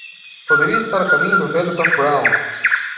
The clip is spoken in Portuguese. Poderia estar a caminho do velho Doc Brown!